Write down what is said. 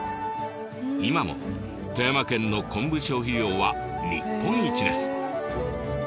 今も富山県の昆布消費量は日本一です。